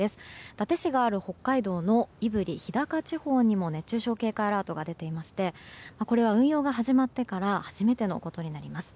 伊達市がある北海道の胆振・日高地方にも熱中症警戒アラートが出ていましてこれは運用が始まってから初めてのことになります。